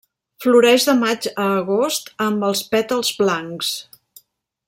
Floreix de maig a agost amb els pètals blancs.